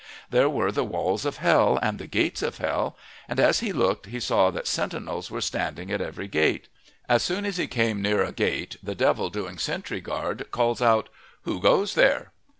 There were the walls of hell and the gates of hell, and as he looked he saw that sentinels were standing at every gate. As soon as he came near a gate the devil doing sentry go calls out: "Who goes there?"